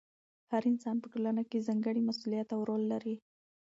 هر انسان په ټولنه کې ځانګړی مسؤلیت او رول لري.